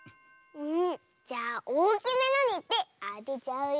んじゃあおおきめのにいってあてちゃうよ。